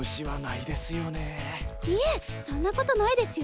いえそんなことないですよ。